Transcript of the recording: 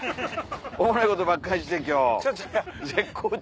おもろいことばっかりして今日絶好調。